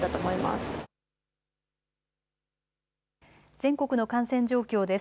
全国の感染状況です。